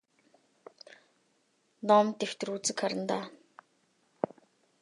Хэл ороод босож ирвэл аюул гэдэг тэр.